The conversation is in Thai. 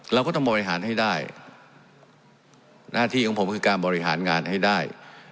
เราก็ต้องบริหารให้ได้หน้าที่ของผมคือการบริหารงานให้ได้